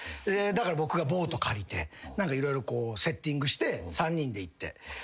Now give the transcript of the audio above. だから僕がボート借りて色々セッティングして３人で行って。